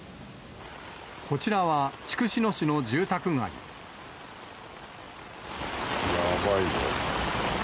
こちらは、やばいぞ。